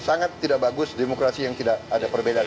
sangat tidak bagus demokrasi yang tidak ada perbedaan